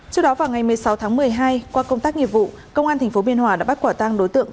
trước đó vào ngày một mươi sáu tháng một mươi hai qua công tác nghiệp vụ công an tp biên hòa đã bắt quả tăng đối tượng